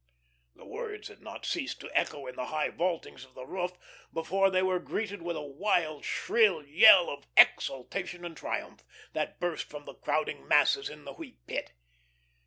The words had not ceased to echo in the high vaultings of the roof before they were greeted with a wild, shrill yell of exultation and triumph, that burst from the crowding masses in the Wheat Pit.